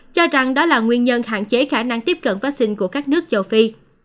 cho rằng đó là nguyên nhân hạn chế khả năng tiếp cận vắc xin của các nước châu phi